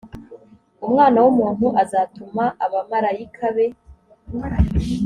umwana w umuntu azatuma abamarayika be